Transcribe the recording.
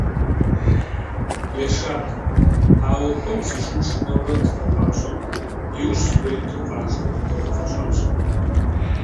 Ешат, ауэ хуэм зищӀын шынэурэ къыздэпӀащӀэм, иужь зыгуэр иту къажэ хуэдэу къыфӀэщӀащ.